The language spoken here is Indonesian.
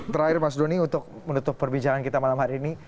terakhir mas doni untuk menutup perbincangan kita malam hari ini